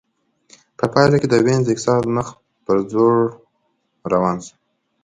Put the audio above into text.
په پایله کې د وینز اقتصاد مخ په ځوړ روان شو